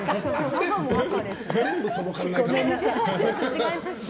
全部その考え方。